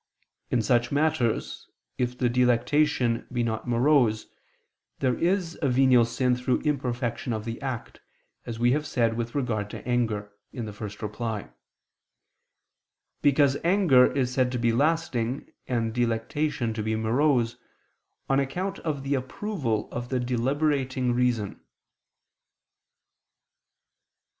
In such matters, if the delectation be not morose, there is a venial sin through imperfection of the act, as we have said with regard to anger (ad 1): because anger is said to be lasting, and delectation to be morose, on account of the approval of the deliberating reason.